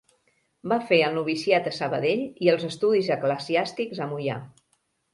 Va fer el noviciat a Sabadell i els estudis eclesiàstics a Moià.